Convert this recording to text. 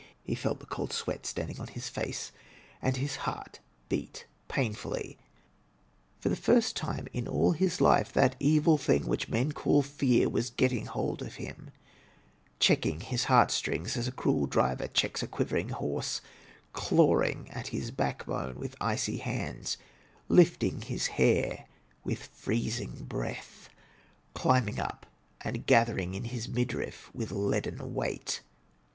He felt the cold sweat standing on his face, and his heart beat painfully. For the first time in all his life that evil thing which men call fear was getting hold of him, checking his heart strings as a cruel driver checks a quivering horse, clawing at his backbone with icy hands, lifting his hair with freezing breath, climbing up and gather ing in his midriff with leaden weight.